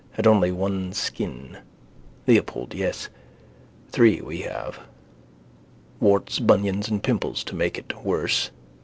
had only one skin. Leopold, yes. Three we have. Warts, bunions and pimples to make it worse.